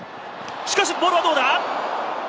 しかしボールはどうだ？